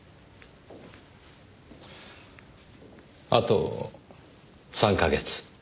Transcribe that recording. あと３か月。